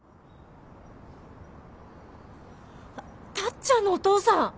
あタッちゃんのお父さん。